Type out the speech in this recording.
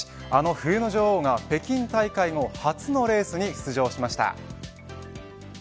あの冬の女王が北京大会後初のレースに出場しました。